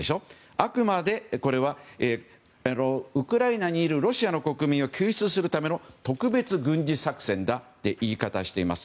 あくまでこれはウクライナにいるロシアの国民を救出するための特別軍事作戦だという言い方をしています。